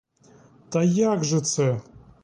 Так як же це?